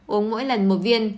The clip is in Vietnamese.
uống mỗi lần một viên